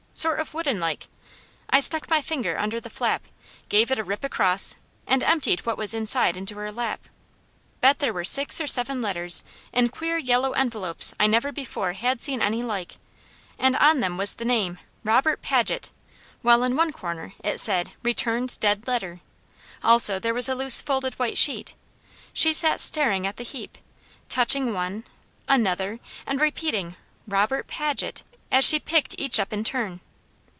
sort of woodenlike. I stuck my finger under the flap, gave it a rip across and emptied what was inside into her lap. Bet there were six or seven letters in queer yellow envelopes I never before had seen any like, and on them was the name, Robert Paget, while in one corner it said, "Returned Dead Letter"; also there was a loose folded white sheet. She sat staring at the heap, touching one, another, and repeating "Robert Paget?" as she picked each up in turn.